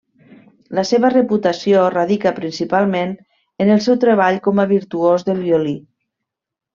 La seva reputació radica principalment en el seu treball com a virtuós del violí.